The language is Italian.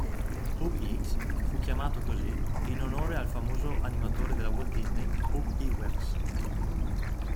Ub'x fu chiamato così in onore al famoso animatore della Walt Disney Ub Iwerks.